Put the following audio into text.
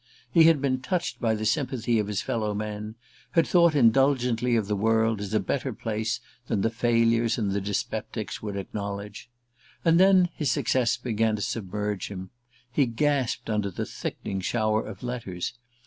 He had been touched by the sympathy of his fellow men: had thought indulgently of the world, as a better place than the failures and the dyspeptics would acknowledge. And then his success began to submerge him: he gasped under the thickening shower of letters.